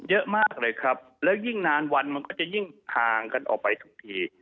เยอะมากเลยครับแล้วยิ่งนานวันมันก็จะยิ่งห่างกันออกไปทุกที